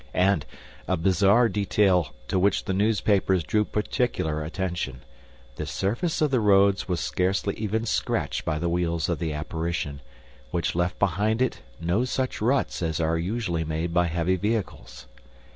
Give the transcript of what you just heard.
And, a bizarre detail to which the newspapers drew particular attention, the surface of the roads was scarcely even scratched by the wheels of the apparition, which left behind it no such ruts as are usually made by heavy vehicles.